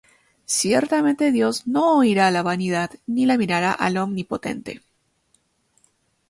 Ciertamente Dios no oirá la vanidad, Ni la mirará el Omnipotente.